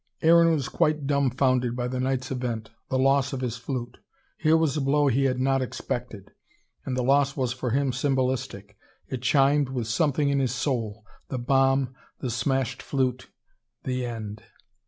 Aaron was quite dumbfounded by the night's event: the loss of his flute. Here was a blow he had not expected. And the loss was for him symbolistic. It chimed with something in his soul: the bomb, the smashed flute, the end.